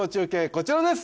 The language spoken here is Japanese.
こちらです